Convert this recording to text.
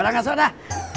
udah ngasoh dah